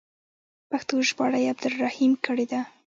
پښتو ژباړه یې عبدالرحیم کړې ده.